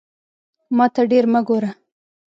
ماته ډیر مه ګوره